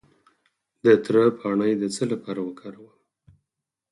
د تره پاڼې د څه لپاره وکاروم؟